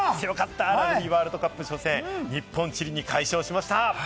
ラグビーワールドカップ初戦、日本、チリに快勝しました。